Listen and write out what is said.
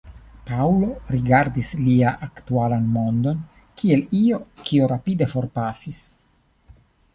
Paŭlo rigardis lia aktualan mondon kiel io, kio rapide forpasis.